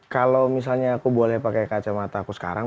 kalau misalnya aku boleh pakai kacamata aku sekarang